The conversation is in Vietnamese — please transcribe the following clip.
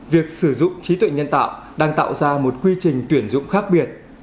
việc sử dụng trí tuệ nhân tạo đang tạo ra một quy trình tuyển dụng khác biệt